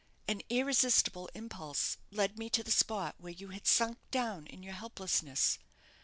An irresistible impulse led me to the spot where you had sunk down in your helplessness.